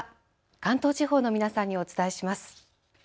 関東地方の皆さんにお伝えします。